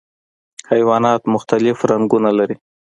حیوانات مختلف رنګونه لري.